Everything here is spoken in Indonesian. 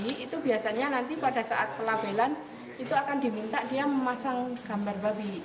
itu biasanya nanti pada saat pelabelan itu akan diminta dia memasang gambar babi